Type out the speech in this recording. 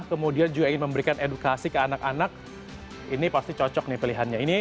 kemudian juga ingin memberikan edukasi ke anak anak ini pasti cocok nih pilihannya